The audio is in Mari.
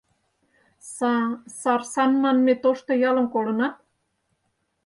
— Са-сарсан манме тошто ялым колынат?